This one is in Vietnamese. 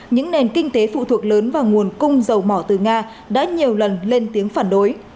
những nền kinh tế phụ thuộc lớn vào nguồn cung dầu mỏ từ nga đã nhiều lần lên tiếng phản đối